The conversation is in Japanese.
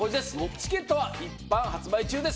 チケットは一般発売中です